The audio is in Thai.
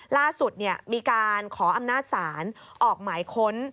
ล่าสุดมีการขออำนาจศาลออกหมายค้น